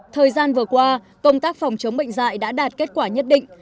thời gian vừa qua công tác phòng chống bệnh dạy đã đạt kết quả nhất định